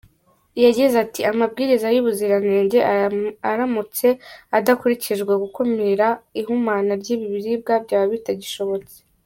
Yagize ati “Amabwiriza y’ubuziranenge aramutse adakurikijwe, gukumira ihumana ry’ibiribwa byaba bitagishobotse.